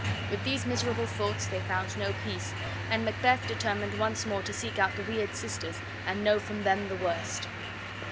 With these miserable thoughts they found no peace, and Macbeth determined once more to seek out the weird sisters and know from them the worst.